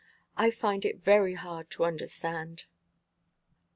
I find it very hard to understand."